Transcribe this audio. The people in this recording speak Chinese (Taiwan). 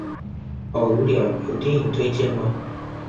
好無聊，有電影推薦嗎